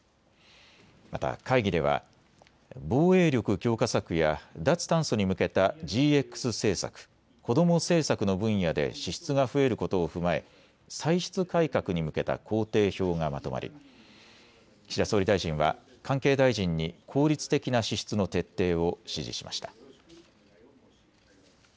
また会議では防衛力強化策や脱炭素に向けたＧＸ政策、こども政策の分野で支出が増えることを踏まえ歳出改革に向けた工程表がまとまり岸田総理大臣は関係大臣に効率的な支出の徹底を指示しました。